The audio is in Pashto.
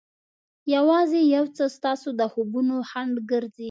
یوازې یو څه ستاسو د خوبونو خنډ ګرځي.